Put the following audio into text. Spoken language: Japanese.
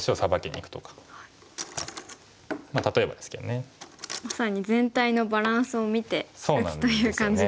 まさに全体のバランスを見て打つという感じですね。